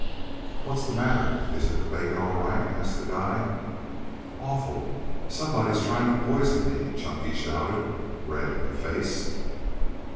"What's the matter. Isn't the bacon all right?" asked the guide. "Awful! Somebody's trying to poison me," Chunky shouted, red in the face.